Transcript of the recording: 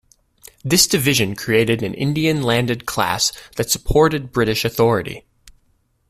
This division created an Indian landed class that supported British authority.